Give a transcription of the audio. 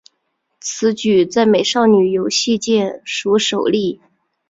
此举在美少女游戏界属首例。